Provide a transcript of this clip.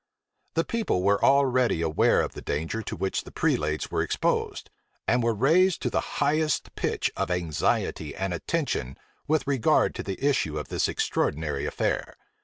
The people were already aware of the danger to which the prelates were exposed; and were raised to the highest pitch of anxiety and attention with regard to the issue of this extraordinary affair.